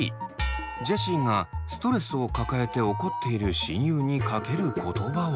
ジェシーがストレスを抱えて怒っている親友にかける言葉は。